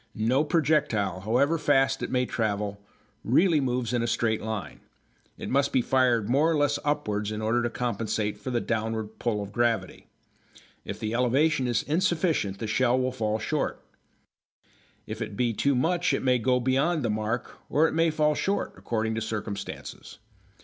No projectile, however fast it may travel, really moves in a straight line. It must be fired more or less upwards in order to compensate for the downward pull of gravity. If the elevation be insufficient the shell will fall short; if it be too much it may go beyond the mark, or it may fall short, according to circumstances.